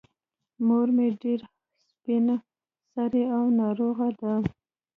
مور مې ډېره سبین سرې او ناروغه ده.